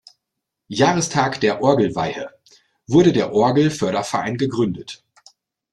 Jahrestag der Orgelweihe, wurde der Orgel-Förderverein gegründet.